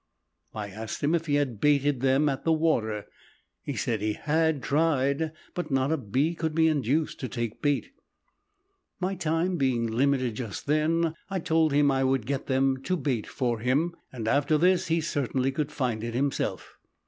I asked him if he had baited them at the water. He said he had tried but not a bee could be induced to take bait. My time being limited just then, I told him I would get them to bait for him and after this he certainly could find it himself.